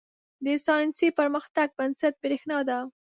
• د ساینسي پرمختګ بنسټ برېښنا ده.